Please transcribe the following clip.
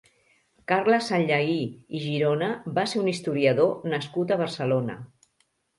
Carles Sanllehy i Girona va ser un historiador nascut a Barcelona.